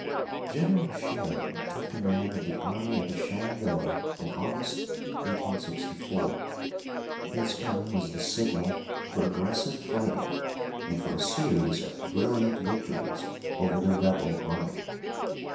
General Sheridan took command of the Army of the Shenandoah in August, 1864. His coming was the signal for aggressive fighting, and for a series of brilliant victories over the rebel army.